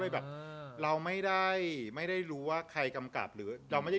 แบบเราไม่ได้ไม่ได้รู้ว่าใครกำกับหรือเราไม่ได้